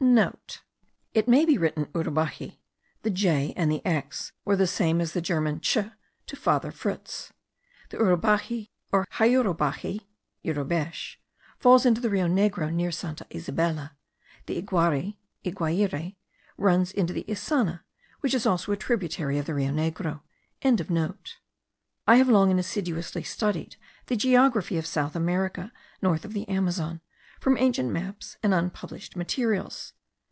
(* It may be written Urubaji. The j and the x were the same as the German ch to Father Fritz. The Urubaxi, or Hyurubaxi (Yurubesh), falls into the Rio Negro near Santa Isabella; the Iguari (Iquiare?) runs into the Issana, which is also a tributary of the Rio Negro.) I have long and assiduously studied the geography of South America, north of the Amazon, from ancient maps and unpublished materials.